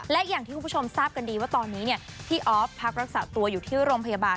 และอย่างที่คุณผู้ชมทราบกันดีว่าตอนนี้พี่ออฟพักรักษาตัวอยู่ที่โรงพยาบาล